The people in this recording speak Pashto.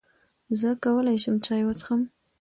زۀ کولای شم چای وڅښم؟